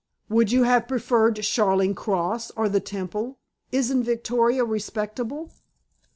"Would you have preferred Charing Cross, or the Temple? Isn't Victoria respectable?"